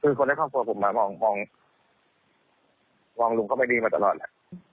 คือคนในความกลัวผมมองลุงก็ไม่ดีมาตลอดแหละ